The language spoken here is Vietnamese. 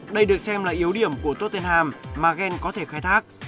đây được xem là yếu điểm của tottenham mà ghen có thể khai thác